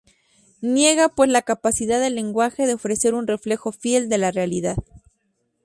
Niega pues la capacidad del lenguaje de ofrecer un reflejo fiel de la realidad.